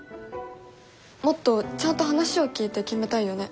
もっとちゃんと話を聞いて決めたいよね。